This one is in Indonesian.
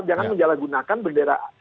jangan menjalan gunakan bendera